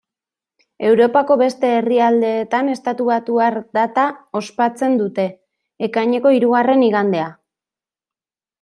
Europako beste herrialdetan estatubatuar data ospatzen dute: ekaineko hirugarren igandea.